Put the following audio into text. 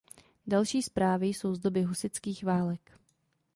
Další zprávy jsou z doby husitských válek.